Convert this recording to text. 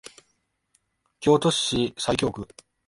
京都市西京区